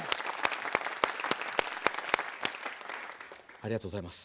ありがとうございます。